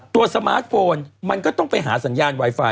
สมาร์ทโฟนมันก็ต้องไปหาสัญญาณไวไฟ